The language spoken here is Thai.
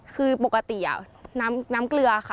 คือปกติน้ำเกลือค่ะ